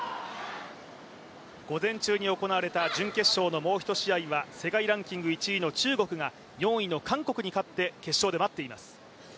午前中に行われた準決勝のもう１試合は世界ランキング１位の中国が４位の韓国に勝って決勝で待っています。